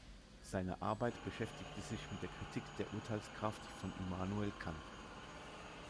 Seine Arbeit beschäftigte sich mit der Kritik der Urteilskraft von Immanuel Kant.